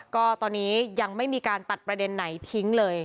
ก็ตอนนี้ยังไม่มีการตัดประเด็นไหนทิ้งเลย